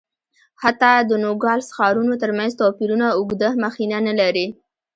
حتی د نوګالس ښارونو ترمنځ توپیرونه اوږده مخینه نه لري.